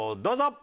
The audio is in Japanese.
どうぞ！